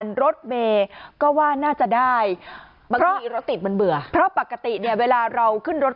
รถเมย์ก็ว่าน่าจะได้บางทีรถติดมันเบื่อเพราะปกติเนี่ยเวลาเราขึ้นรถ